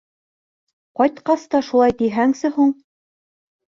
Ҡайтҡас та шулай тиһәңсе һуң.